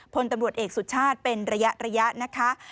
พลตำรวจเอกสุชาติเป็นระยะนะคะ